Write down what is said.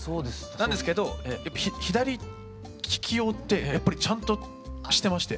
なんですけど左利き用ってやっぱりちゃんとしてまして。